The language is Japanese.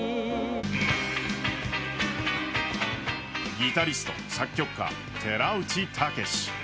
ギタリスト、作曲家、寺内タケシ。